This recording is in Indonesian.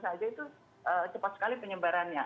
saja itu cepat sekali penyebarannya